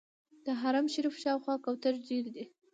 د حرم شریف شاوخوا کوترې ډېرې دي.